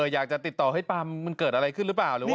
อยากจะติดต่อให้ปาล์มมันเกิดอะไรขึ้นหรือเปล่า